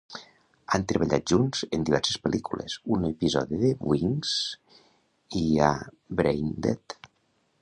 Han treballat junts en diverses pel·lícules, un episodi de "Wings" i a "BrainDead".